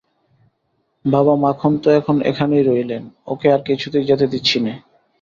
বাবা মাখন তো এখন এখানেই রইলেন, ওঁকে আর কিছুতেই যেতে দিচ্ছি নে।